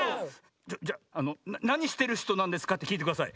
じゃあの「なにしてるひとなんですか？」ってきいてください。